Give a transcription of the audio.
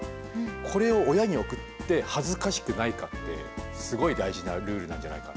これを親に送って恥ずかしくないかってすごい大事なルールなんじゃないか。